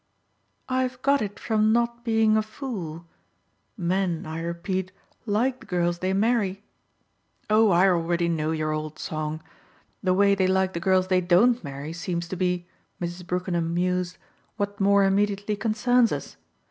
"I've got it from not being a fool. Men, I repeat, like the girls they marry " "Oh I already know your old song! The way they like the girls they DON'T marry seems to be," Mrs. Brookenham mused, "what more immediately concerns us.